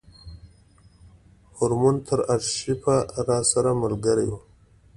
مرهون تر آرشیفه راسره ملګری و.